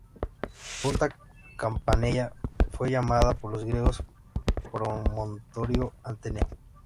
Punta Campanella fue llamada por los griegos Promontorio Ateneo.